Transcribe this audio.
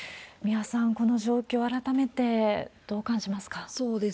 三輪さん、この状況、改めてどう感じますか？